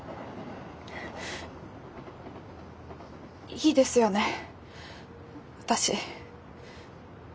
いいですよね私。